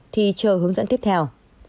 thì chờ hướng dẫn tiếp theo